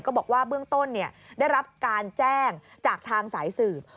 บอกว่าเบื้องต้นได้รับการแจ้งจากทางสายสืบ